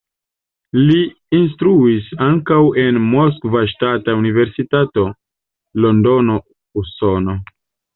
Li instruis ankaŭ en Moskva Ŝtata Universitato, Londono, Usono.